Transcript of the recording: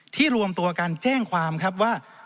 รวมตัวกันแจ้งความครับว่า